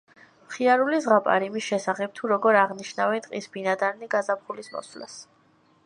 მხიარული ზღაპარი იმის შესახებ, თუ როგორ აღნიშნავენ ტყის ბინადარნი გაზაფხულის მოსვლას.